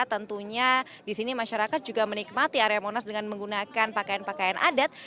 tentunya di sini masyarakat juga menikmati area monas dengan menggunakan pakaian pakaian adat